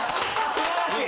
素晴らしい。